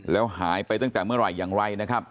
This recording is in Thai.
แล้วหายไปตั้งแต่เมื่อไหร่อย่างไรนะครับ